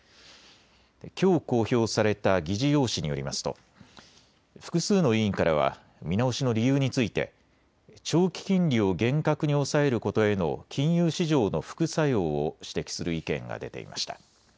きょう公表された議事要旨によりますと複数の委員からは見直しの理由について長期金利を厳格に抑えることへの金融市場の副作用を指摘する意見が出ていました。